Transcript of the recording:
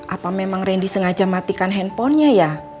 apa memang randy sengaja matikan handphonenya ya